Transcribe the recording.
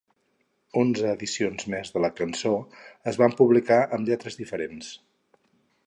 Onze edicions més de la cançó es van publicar amb lletres diferents.